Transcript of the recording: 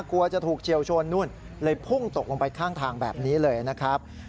กลัวจะถูกเฉียวชนนู่นเลยพุ่งตกลงไปข้างทางแบบนี้เลยนะครับ